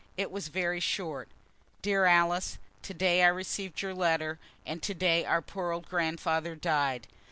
It was very short. "Dear Alice, to day I received your letter, and to day our poor old grandfather died.